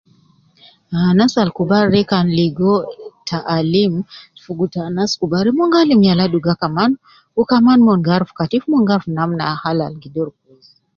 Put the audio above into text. Anas al kubar de kan ligo ta alim, ligo ta anas kubar de mon gi alim yala duga kaman wu kaman mon gi aruf Katif mon gi aruf namna ah hal al gi doru